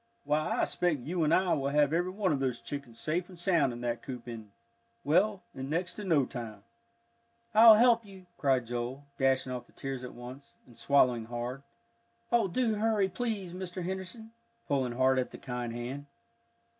Why, I expect you and I will have every one of those chickens safe and sound in that coop in well, in next to no time." "I'll help you!" cried Joel, dashing off the tears at once, and swallowing hard. "Oh, do hurry, please, Mr. Henderson," pulling hard at the kind hand.